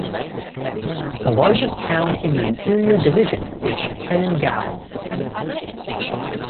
The largest town in the Interior Division is Keningau.